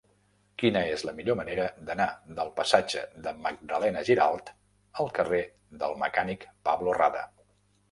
Quina és la millor manera d'anar del passatge de Magdalena Giralt al carrer del Mecànic Pablo Rada?